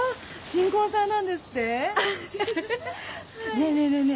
ねえねえねえね